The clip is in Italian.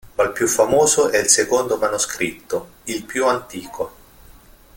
Ma il più famoso è il secondo manoscritto, il più antico.